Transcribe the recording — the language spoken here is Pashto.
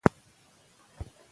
فعالیتونه د ماشوم ذهن فعال ساتي.